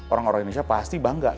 orang orang indonesia pasti bangga